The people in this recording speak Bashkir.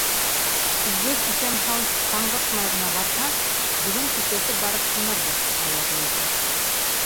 — Үгеҙ иҫән-һау, ҡаңғыртмай ғына барһа, бөгөн кисләтеп барып ҡунырбыҙ, Алла бойорһа.